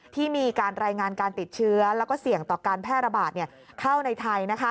ที่มีการรายงานการติดเชื้อแล้วก็เสี่ยงต่อการแพร่ระบาดเข้าในไทย